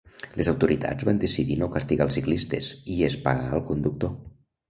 Les autoritats van decidir no castigar els ciclistes, i es pagà al conductor.